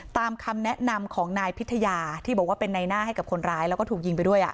ตามคำแนะนำของนายพิทยาที่บอกว่าเป็นในหน้าให้กับคนร้ายแล้วก็ถูกยิงไปด้วย